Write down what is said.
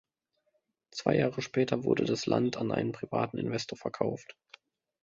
Zwei Jahre später wurde das Land an einen privaten Investor verkauft.